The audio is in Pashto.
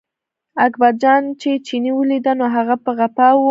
اکبرجان چې چیني ولیده، نو هغه په غپا و.